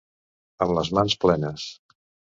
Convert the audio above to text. Amb les mans plenes.